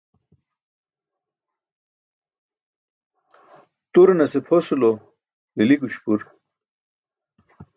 Turanase pʰosulo lili guśpur.